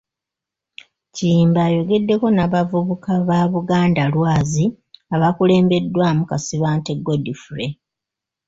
Kiyimba ayogedeko n'abavubuka ba ‘Buganda Lwazi,' abakulembeddwamu Kasibante Godfrey.